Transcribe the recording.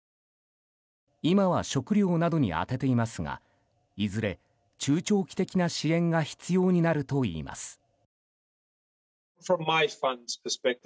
今は食料などに充てていますがいずれ、中長期的な支援が必要になるといいます。